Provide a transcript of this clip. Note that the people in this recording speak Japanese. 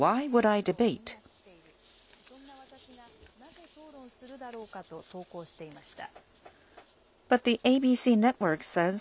そんな私がなぜ討論するだろうかと投稿していました。